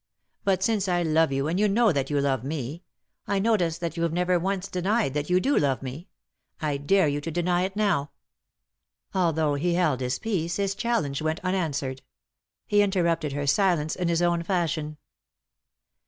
But since I love you and know that you love me — I notice that you've never once denied that you do love me — I dare you to deny it now." Although he held his peace his challenge went unanswered. He interrupted her silence in his own fashion.